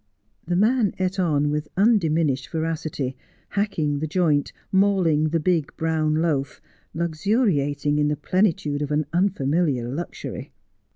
The man ate on with undiminished voracity ; hacking the joint, mauling the big brown loaf, luxuriating in the plenitude of an unfamiliar luxury.